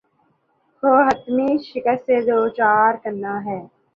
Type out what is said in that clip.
کو حتمی شکست سے دوچار کرنا ہے۔